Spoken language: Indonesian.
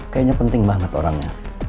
kayaknya penting banget orangnya